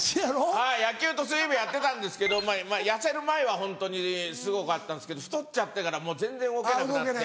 はい野球と水泳部やってたんですけど前はホントにすごかったんですけど太っちゃってからもう全然動けなくなって。